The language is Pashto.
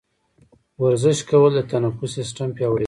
ورزش کول د تنفس سیستم پیاوړی کوي.